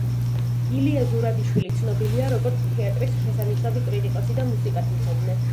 ილია ზურაბიშვილი ცნობილია როგორც თეატრის შესანიშნავი კრიტიკოსი და მუსიკათმცოდნე.